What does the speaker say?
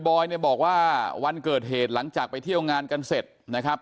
อยเนี่ยบอกว่าวันเกิดเหตุหลังจากไปเที่ยวงานกันเสร็จนะครับ